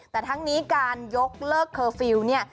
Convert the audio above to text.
แต่ทั้งนี้การยกเลิกเคอร์ฟิลล์เนี่ย